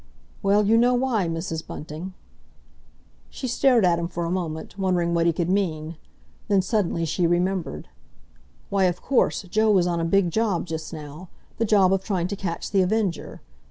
"Well, you know why, Mrs. Bunting—" She stared at him for a moment, wondering what he could mean. Then, suddenly she remembered. Why, of course, Joe was on a big job just now—the job of trying to catch The Avenger!